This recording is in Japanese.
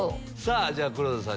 じゃあ黒田さん。